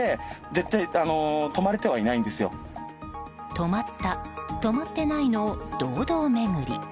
止まった、止まってないの堂々巡り。